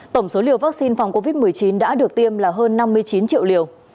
tổng số liều vaccine phòng covid một mươi chín đã được tiêm là hơn năm mươi chín triệu liều